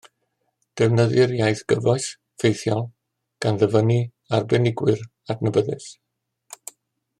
Defnyddir iaith gyfoes, ffeithiol, gan ddyfynnu arbenigwyr adnabyddus